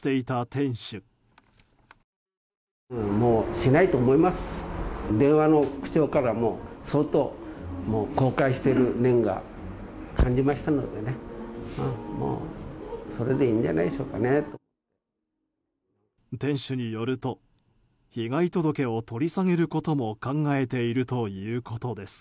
店主によると被害届を取り下げることも考えているということです。